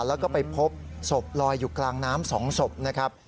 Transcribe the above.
แล้วก็ไปพบศพลอยอยู่กลางน้ำ๒ศพนะครับ